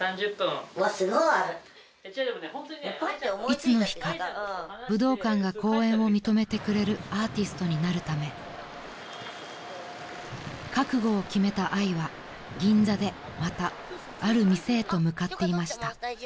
［いつの日か武道館が公演を認めてくれるアーティストになるため覚悟を決めたあいは銀座でまたある店へと向かっていました］